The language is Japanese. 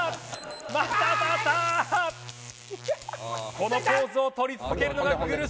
このポーズを取り続けるのが苦しい。